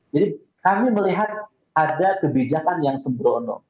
jadi kami melihat ada kebijakan yang sembrono